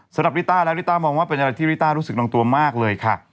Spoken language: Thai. ลิต้าและลิต้ามองว่าเป็นอะไรที่ริต้ารู้สึกลงตัวมากเลยค่ะ